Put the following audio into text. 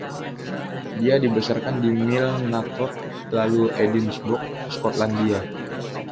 Dia dibesarkan di Milnathort, lalu Edinburgh, Skotlandia.